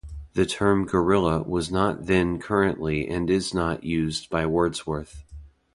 The term 'guerrilla' was not then current and is not used by Wordsworth.